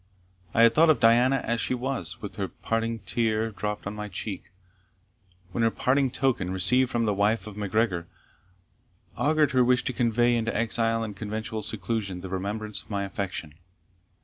I had thought of Diana as she was, when her parting tear dropped on my cheek when her parting token, received from the wife of MacGregor, augured her wish to convey into exile and conventual seclusion the remembrance of my affection.